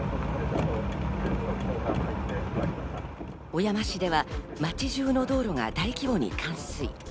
小山市では町中の道路が大規模に冠水。